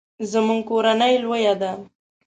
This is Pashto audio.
زموږ کورنۍ لویه ده